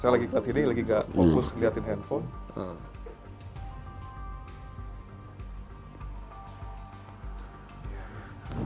saya lagi ke sini lagi gak fokus liatin handphone